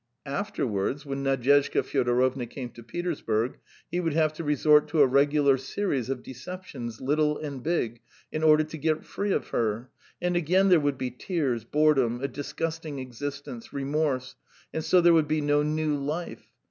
Afterwards, when Nadyezhda Fyodorovna came to Petersburg, he would have to resort to a regular series of deceptions, little and big, in order to get free of her; and again there would be tears, boredom, a disgusting existence, remorse, and so there would be no new life.